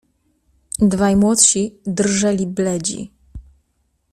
"Dwaj młodsi drżeli bledzi."